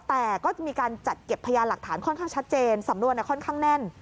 แต่ก็จะมีการจัดเก็บพยานหลักฐานค่อนข้างชัดเจนสำนวนค่อนข้างแน่น